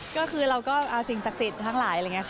ก็คือเราก็เอาจริงศักดิ์สิทธิ์ทั้งหลาย